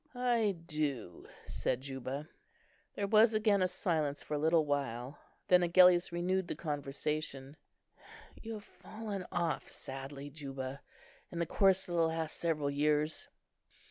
"I do," said Juba. There was again a silence for a little while; then Agellius renewed the conversation. "You have fallen off sadly, Juba, in the course of the last several years."